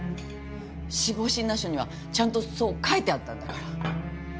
死亡診断書にはちゃんとそう書いてあったんだから。